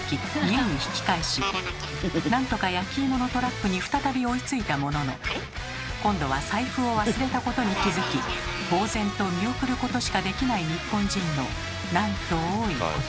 家に引き返し何とか焼き芋のトラックに再び追いついたものの今度は財布を忘れたことに気付きぼう然と見送ることしかできない日本人のなんと多いことか。